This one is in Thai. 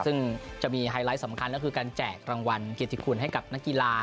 ซึ่งจะมีไฮไลท์สำคัญก็คือการแจกรางวัลเกียรติคุณให้กับนักกีฬา